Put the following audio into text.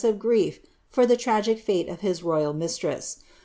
ive erief for the tragic late of his royal mistress.